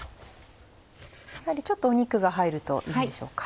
ちょっと肉が入るといいんでしょうか。